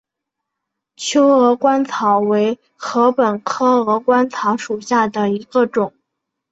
秋鹅观草为禾本科鹅观草属下的一个种。